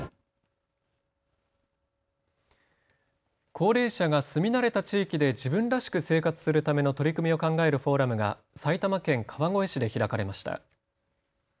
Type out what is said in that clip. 高齢者が住み慣れた地域で自分らしく生活するための取り組みを考えるフォーラムが埼玉県川越市で開かれました。